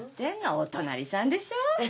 お隣さんでしょ！？